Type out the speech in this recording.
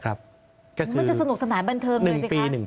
มันจะสนุกสนานบันเทิงเลยสิคะ